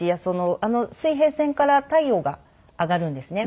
あの水平線から太陽が上がるんですね。